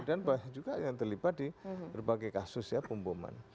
dan juga yang terlibat di berbagai kasus ya pemboman